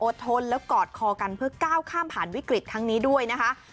ทนแล้วกอดคอกันเพื่อก้าวข้ามผ่านวิกฤตครั้งนี้ด้วยนะคะ